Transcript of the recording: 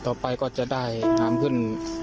ต่อไปก็จะได้น้ำขึ้น